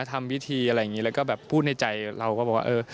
ทำพิธีอะไรอย่างนี้แล้วก็แบบพูดในใจเราก็บอกว่าเออ